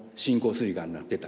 すいがんになってたと。